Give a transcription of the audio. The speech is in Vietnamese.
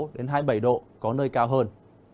hai mươi sáu đến hai mươi bảy độ có nơi cao hơn